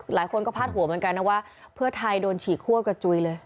หลายคนก็พาดหัวเหมือนกันนะว่าเพื่อไทยโดนฉีกคั่วกระจุยเลย